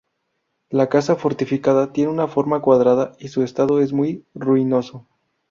La casa fortificada tiene una forma cuadrada y su estado es muy ruinoso.